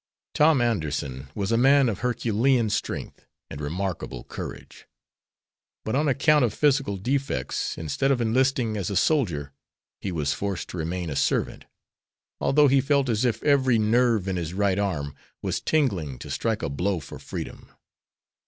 Tom Anderson was a man of herculean strength and remarkable courage. But, on account of physical defects, instead of enlisting as a soldier, he was forced to remain a servant, although he felt as if every nerve in his right arm was tingling to strike a blow for freedom.